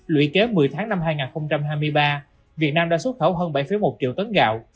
lũy kế một mươi tháng năm hai nghìn hai mươi ba việt nam đã xuất khẩu hơn bảy một triệu tấn gạo